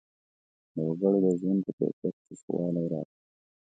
د وګړو د ژوند په کیفیت کې ښه والی راشي.